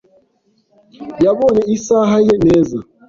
Yabonye isaha ye neza .